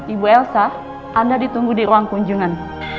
ibu elsa anda ditunggu di ruang kunjungan